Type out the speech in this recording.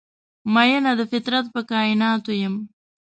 میینه د فطرت په کائیناتو یم